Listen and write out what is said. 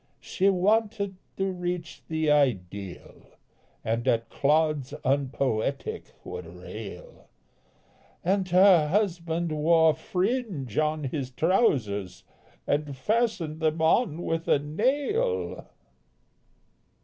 She wanted to reach the ideal, And at clods unpoetic would rail, And her husband wore fringe on his trousers And fastened them on with a nail!